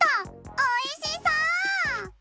おいしそう！